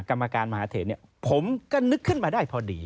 กรรมการมหาเทศผมก็นึกขึ้นมาได้พอดี